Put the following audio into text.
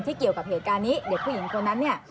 เกี่ยวกับเหตุการณ์นี้เด็กผู้หญิงคนนั้นเนี่ย